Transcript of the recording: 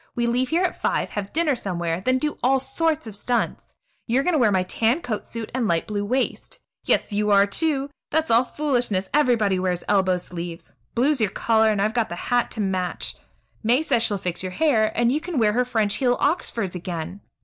We leave here at five, have dinner somewhere, then do all sorts of stunts. You are going to wear my tan coat suit and light blue waist. Yes, you are, too! That's all foolishness; everybody wears elbow sleeves. Blue's your color, and I've got the hat to match. May says she'll fix your hair, and you can wear her French heel Oxfords again.